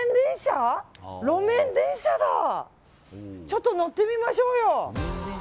ちょっと乗ってみましょうよ。